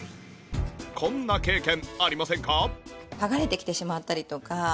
こんな経験ありませんか？